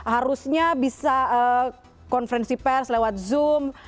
harusnya bisa konferensi pers lewat zoom